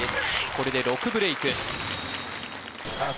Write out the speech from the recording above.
これで６ブレイクさあ